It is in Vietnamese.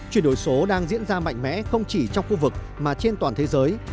chuyển đổi số đang diễn ra mạnh mẽ không chỉ trong khu vực mà trên toàn thế giới